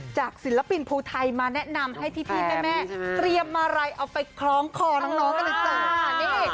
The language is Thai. จากศิลปินภูทัยมาแนะนำให้ที่ที่แม่เตรียมมาลัยเอาไปคล้องคอน้องกันอีก๓นี่